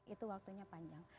itu waktunya panjang